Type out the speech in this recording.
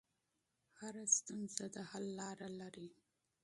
هر ستونزه د حل لار لري.